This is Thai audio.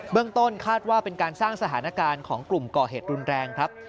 ต้นคาดว่าเป็นการสร้างสถานการณ์ของกลุ่มก่อเหตุรุนแรงครับ